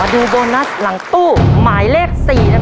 ดูโบนัสหลังตู้หมายเลข๔นะครับ